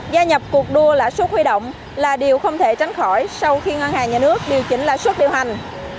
gia nhập cuộc đua lãi suất huy động là điều không thể tránh khỏi sau khi ngân hàng nhà nước điều chỉnh lãi suất điều hành